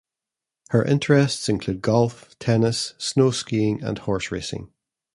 Her interests include golf, tennis, snow skiing and horse racing.